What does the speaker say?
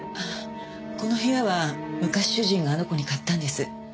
この部屋は昔主人があの子に買ったんです。